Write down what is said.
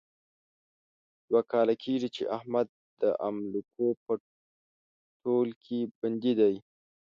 دوه کاله کېږي، چې احمد د املوکو په تول کې بندي دی.